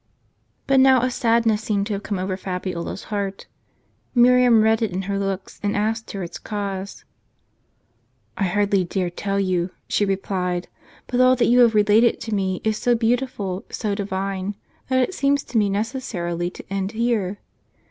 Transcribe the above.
But now a sadness seemed to have come over Fa biola's heart : Miriam read it in her looks, and asked her its cause. w "I hardly dare tell you," she replied. "But all that you have related to me is so beautiful, so divine, that it seems to me necessarily to end here.